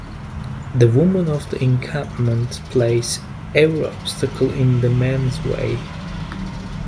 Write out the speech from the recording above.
The women of the encampment place every obstacle in the man's way.